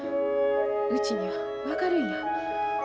うちには分かるんや。